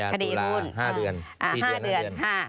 คดีหุ้น๕เดือน